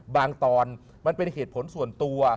บางตอนมันเป็นเหตุผลส่วนตัว